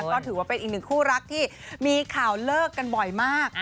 ก็ถือว่าเป็นอีกหนึ่งคู่รักที่มีข่าวเลิกกันบ่อยมาก